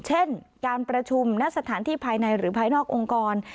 เช่นการประชุมณสถานที่ภายในหรือภายนอกองค์กร